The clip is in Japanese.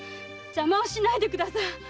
邪魔をしないでください。